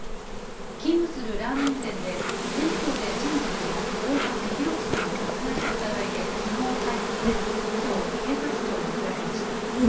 勤務するラーメン店で店長で親族の大橋弘輝さんを殺害した疑いできのう逮捕されきょう検察庁に送られました。